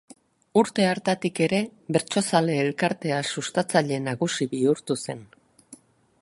Urte hartatik ere Bertsozale Elkartea sustatzaile nagusi bihurtu zen.